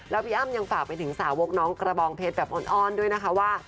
แล้วพี่อ้ำยังฝากไปถึงสาวกน้องกระบองเพชรแบบอ้อนด้วยนะคะว่า